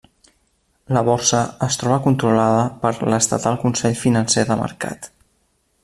La borsa es troba controlada per l'estatal Consell Financer de Mercat.